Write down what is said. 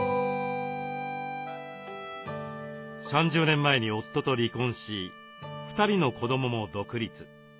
３０年前に夫と離婚し２人の子どもも独立。